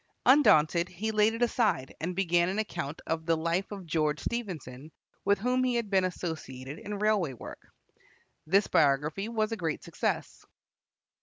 Undaunted, he laid it aside and began an account of the life of George Stephenson, with whom he had been associated in railway work. This biography was a great success.